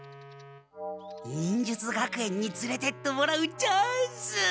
忍術学園につれてってもらうチャンス。